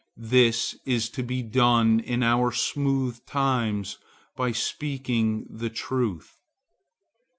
This is to be done in our smooth times by speaking the truth.